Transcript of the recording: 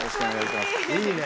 いいね！